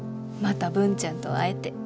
また文ちゃんと会えて。